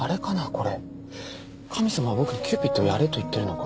これ神さまは僕にキューピッドをやれと言ってるのか？